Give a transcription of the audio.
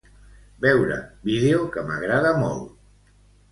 Veure vídeo que m'agrada molt.